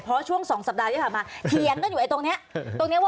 เพราะช่วง๒สัปดาห์ที่ผ่านมาเถียงกันอยู่ไอ้ตรงนี้ตรงนี้ว่า